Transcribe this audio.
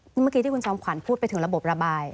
เมื่อกี้ที่คุณจอมขวัญพูดไปถึงระบบระบาย